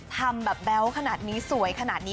ทำแบบแบ๊วขนาดนี้สวยขนาดนี้